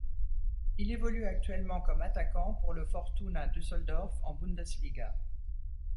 Il évolue actuellement comme attaquant pour le Fortuna Düsseldorf en Bundesliga.